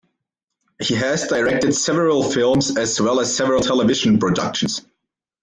He has directed several films as well as several television productions.